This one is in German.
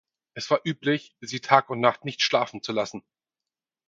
Es war üblich, sie Tag und Nacht nicht schlafen zu lassen.